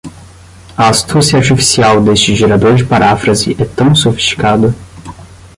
A astúcia artificial deste gerador de paráfrase é tão sofisticada